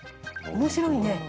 おもしろいね。